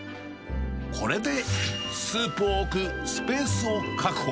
これでスープを置くスペースを確保。